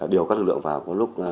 điều các lực lượng vào lúc